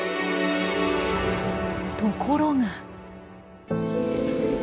ところが。